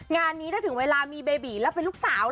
งานนี้ถ้าถึงเวลามีเบบีแล้วเป็นลูกสาว